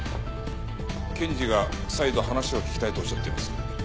検事が再度話を聞きたいとおっしゃっています。